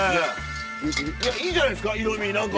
いいじゃないですか色み何か。